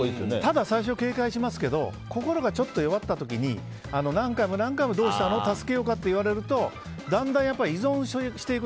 ただ、最初は警戒しますけど心がちょっと弱った時に何回も何回もどうしたの、助けようかと言われるとだんだん依存していく。